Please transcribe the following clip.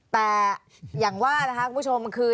แต่อย่างว่านะคะคุณผู้ชมคือ